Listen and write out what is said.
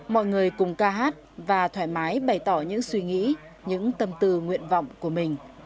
mọi người cùng ca hát và thoải mái bày tỏ những suy nghĩ những tâm tư nguyện vọng của mình